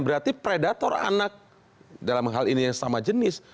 berarti predator anak dalam hal ini yang sama jenis